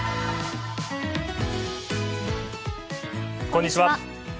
こんにちは。